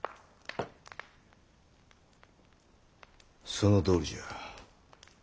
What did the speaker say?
そのとおりじゃ。